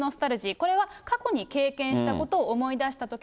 これは過去に経験したことを思い